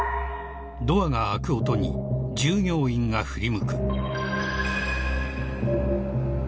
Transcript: ［ドアが開く音に従業員が振り向く］